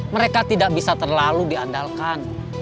mereka tidak bisa terlalu diandalkan